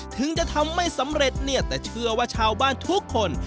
ถึงจะทำไม่สำเร็จเนี่ยแต่เชื่อว่าชาวบ้านทุกคน